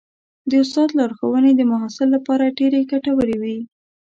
د استاد لارښوونې د محصل لپاره ډېرې ګټورې وي.